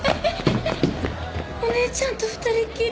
お姉ちゃんと２人っきり？